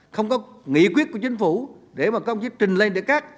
không có nghị quyết của chính phủ để mà công chức trình lên để cắt